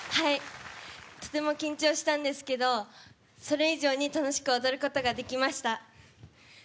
とても緊張したんですけどそれ以上に楽しく踊ることができました。